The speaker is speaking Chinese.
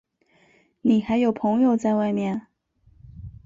你还有朋友在外面？